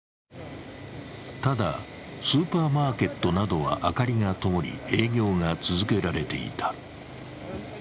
ただ、スーパーマーケットなどは明かりがともり、営業が続けられていた。